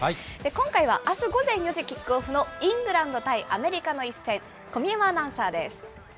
今回は、あす午前４時キックオフのイングランド対アメリカの一戦、小宮山アナウンサーです。